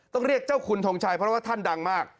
ต้องเรียกเจ้าคุณทงชัยเพราะว่าท่านดังมาก